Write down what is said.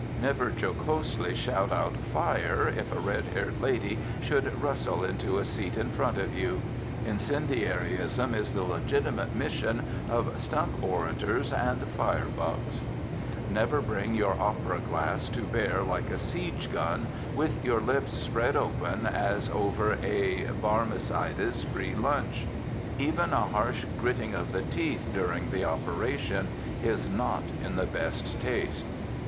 Never jocosely shout out "Fire!" if a red haired lady should rustle into a seat in front of you. Incendiarism is the legitimate mission of stump orators and fire bugs. Never bring your opera glass to bear like a siege gun, with your lips spread open as over a Barmecides free lunch. Even a harsh gritting of the teeth, during the operation, is not in the best taste.